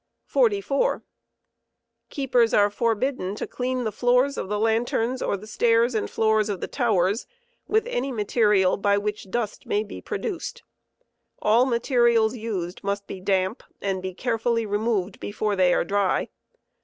Dust to bo 44. Keepers are forbidden to clean the floors of the lanterns or the stairs and avoided. floors f towers with any material by which dust may be produced. All materials used mu&t be damp, and be carefully removed before they arediy.